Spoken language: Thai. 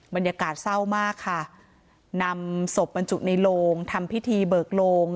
บรรยากาศเศร้ามากค่ะนำศพบรรจุในโลงทำพิธีเบิกโลง